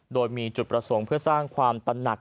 โดยมีจุดประสงค์เพื่อสร้างความตนัก